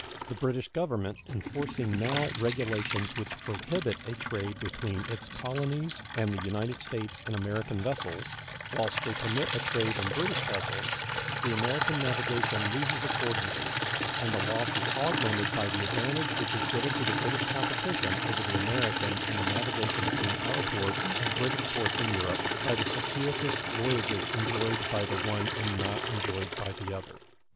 The British Government enforcing now regulations which prohibit a trade between its colonies and the United States in American vessels, whilst they permit a trade in British vessels, the American navigation loses accordingly, and the loss is augmented by the advantage which is given to the British competition over the American in the navigation between our ports and British ports in Europe by the circuitous voyages enjoyed by the one and not enjoyed by the other.